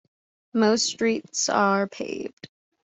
Most streets are paved.